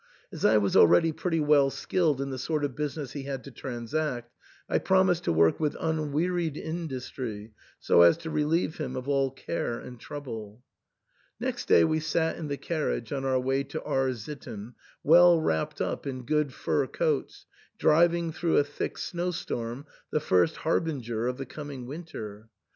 As I was already pretty well skilled in the sort of business he had to transact, I promised to work with unwearied industry, so as to relieve him of all care and trouble. Next day we sat in the carriage on our way to R — sitten, well wrapped up in good fur coats, driving through a thick snowstorm, the first harbinger of the coming winter.